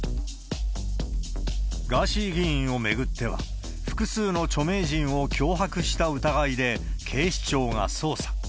ガーシー議員を巡っては、複数の著名人を脅迫した疑いで、警視庁が捜査。